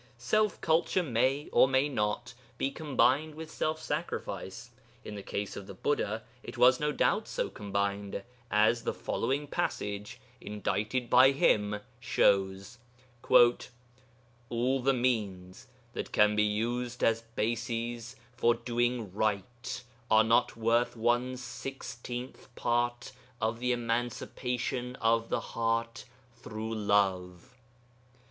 Self culture may or may not be combined with self sacrifice. In the case of the Buddha it was no doubt so combined, as the following passage, indited by him, shows 'All the means that can be used as bases for doing right are not worth one sixteenth part of the emancipation of the heart through love.